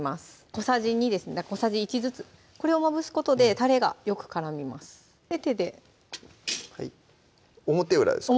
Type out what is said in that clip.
小さじ２ですね小さじ１ずつこれをまぶすことでたれがよく絡みますで手ではい表裏ですか？